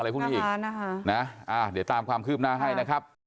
อะไรพวกนี้อีกนะฮะนะฮะอ่าเดี๋ยวตามความคืบหน้าให้นะครับ